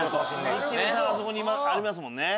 日テレさんあそこにありますもんね。